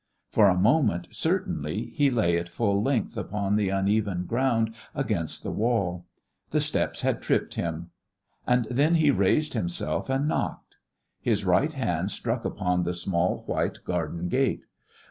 For a moment, certainly, he lay at full length upon the uneven ground against the wall; the steps had tripped him. And then he raised himself and knocked. His right hand struck upon the small, white garden gate.